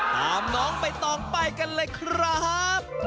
ตามน้องใบตองไปกันเลยครับ